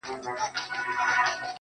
زمونږ د ټول عمر خواري د سترګو رپ كې يوسي